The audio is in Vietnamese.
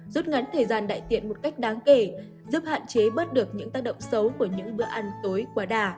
giúp ngắn thời gian đại tiện một cách đáng kể giúp hạn chế bớt được những tác động xấu của những bữa ăn tối quá đáng kể